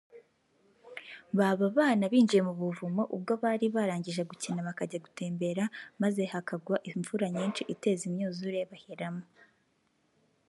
bAba bana binjiye mu buvumo ubwo bari barangije gukina bakajya gutembera maze hakagwa imvura nyinshi iteza imyuzure baheramo